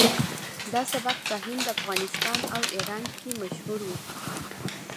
دا سبک په هند افغانستان او ایران کې مشهور و